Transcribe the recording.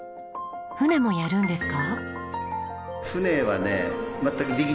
船もやるんですか？